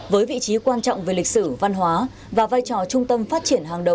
với vị trí quan trọng về lịch sử văn hóa và vai trò trung tâm phát triển hàng đầu